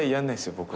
僕は。